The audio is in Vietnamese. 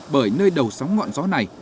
bởi nơi đầu sóng ngọn gió này